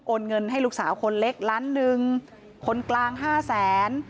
เงินให้ลูกสาวคนเล็กล้านหนึ่งคนกลางห้าแสน